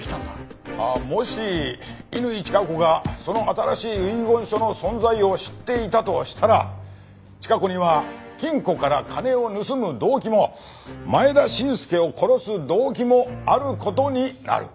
もし乾チカ子がその新しい遺言書の存在を知っていたとしたらチカ子には金庫から金を盗む動機も前田伸介を殺す動機もある事になる。